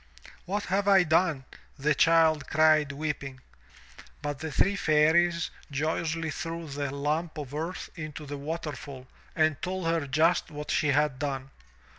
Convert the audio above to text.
"What have I done? the child cried weeping. But the three Fairies joyously threw the lump of earth into the waterfall and told her just what she had done.